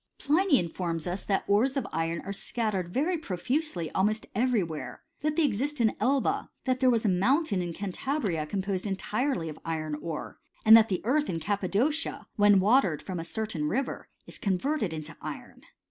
Pliny informs us, that the ores of iron are scattered very profusely almost every where : that they exist in Elba; that there was a mountain in Cantabria com posed entirely of iron ore; and that the earth in Cap padocia, when watered from a certain river, is coiivert ed into iron.